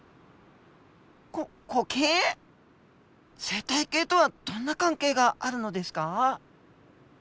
生態系とはどんな関係があるのですか？